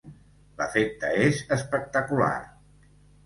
I l’efecte és espectacular.